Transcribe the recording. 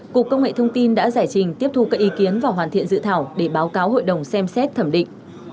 cục công nghệ thông tin đã giải trình tiếp thu các ý kiến và hoàn thiện dự thảo để báo cáo hội đồng xem xét thẩm định